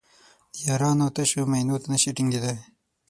د یارانو تشو مینو ته نشي ټینګېدای.